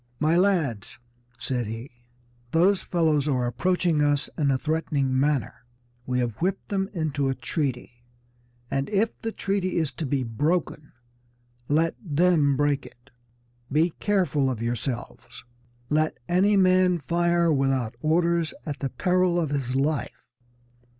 "My lads," said he, "those fellows are approaching us in a threatening manner. We have whipped them into a treaty, and if the treaty is to be broken let them break it. Be careful of yourselves. Let any man fire without orders at the peril of his life.